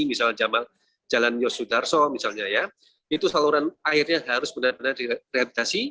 misalnya jalan yosudarso misalnya ya itu saluran airnya harus benar benar direhabilitasi